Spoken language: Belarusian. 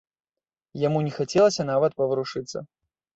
Яму не хацелася нават паварушыцца.